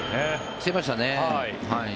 してましたね。